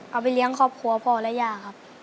เอาไปเลี้ยงครอบครัวพ่อและย่าครับ